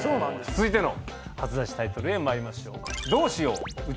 続いての初出しタイトルへまいりましょう。